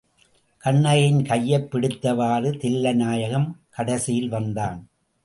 கண்ணகியின் கையைப் பிடித்தவாறு தில்லைநாயகம் கடைசியில் வந்தான்.